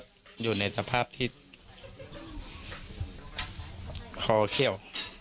อยู่ในสภาพที่คอเขี้ยว